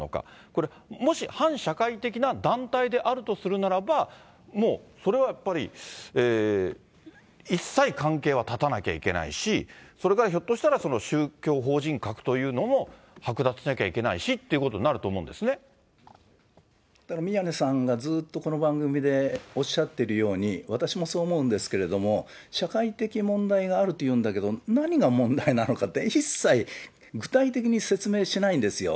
これ、もし反社会的な団体であるとするならば、もうそれはやっぱり、一切関係は断たなきゃいけないし、それからひょっとしたら、宗教法人格というのも剥奪しなきゃいけないしということになるとだから宮根さんがずっとこの番組でおっしゃっているように、私もそう思うんですけれども、社会的問題があるというんだけれども、何が問題なのかって、一切具体的に説明しないんですよ。